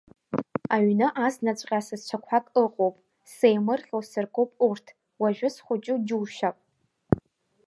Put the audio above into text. Аҩны азнаҵәҟьа сасцәақәак ыҟоуп, сеимырҟьо сыркуп урҭ, уажәы схәыҷу џьушьап!